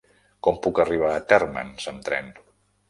Com puc arribar a Térmens amb tren?